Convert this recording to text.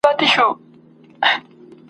خو ځول یې په قفس کي وزرونه !.